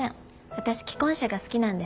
私既婚者が好きなんです。